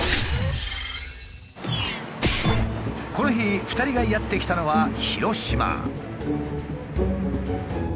この日２人がやって来たのは広島。